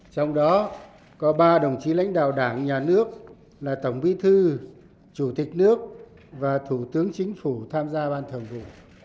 trong đó có ba đồng chí lãnh đạo đảng nhà nước là tổng bí thư chủ tịch nước và thủ tướng chính phủ tham gia ban thường vụ